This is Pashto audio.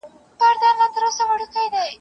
چي آزاد له پنجرو سي د ښکاریانو ..